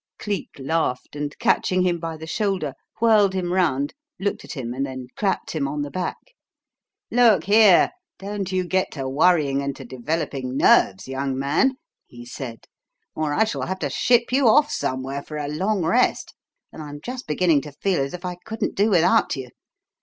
Cleek laughed, and catching him by the shoulder whirled him round, looked at him, and then clapped him on the back. "Look here, don't you get to worrying and to developing nerves, young man," he said, "or I shall have to ship you off somewhere for a long rest; and I'm just beginning to feel as if I couldn't do without you.